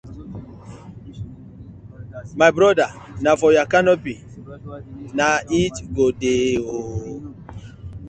My broda na for yur canopy na it go dey ooo.